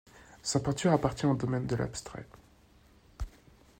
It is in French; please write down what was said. Sa peinture appartient au domaine de l'abstrait.